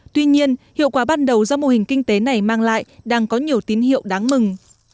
tuy nhiên hiệu quả ban đầu do mô hình kinh tế này mang lại đang có nhiều tín hiệu đáng mừng